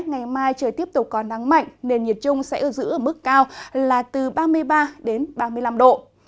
ngày mai trời tiếp tục có nắng mạnh nền nhiệt trung sẽ giữ ở mức cao là từ ba mươi ba đến ba mươi năm độ